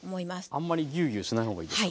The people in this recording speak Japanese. あんまりギュウギュウしない方がいいですか？